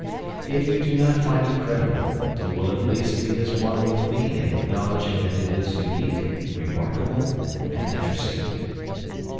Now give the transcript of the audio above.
If you do not find it credible you will at least be as one with me in acknowledging that it is unique, remarkable, and interesting.